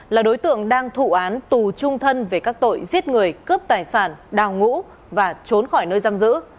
là đối tượng đang thụ án tù trung thân về các tội giết người cướp tài sản đào ngũ và trốn khỏi nơi giam giữ